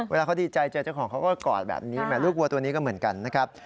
เวลาเขาดีใจเจอเจ้าของเขาก็กอดแบบนี้แม้ลูกวัวตัวนี้ก็เหมือนกันนะครับ